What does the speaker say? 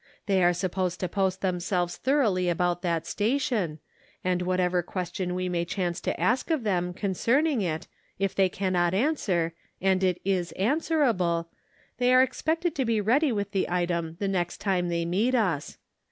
They are supposed to post themselves thoroughly about that station, and whatever question we may chance to ask of them con 504 The Pocket Measure. cerning it, if they cannot answer, and it is an swerable, they are expected to be ready with the item the next time they meet us.